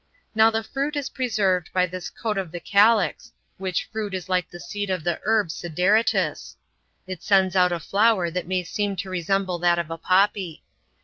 Now the fruit is preserved by this coat of the calyx, which fruit is like the seed of the herb Sideritis: it sends out a flower that may seem to resemble that of poppy.